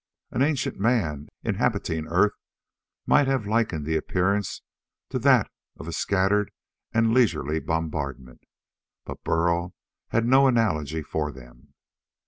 An ancient man, inhabiting Earth, might have likened the appearance to that of a scattered and leisurely bombardment. But Burl had no analogy for them.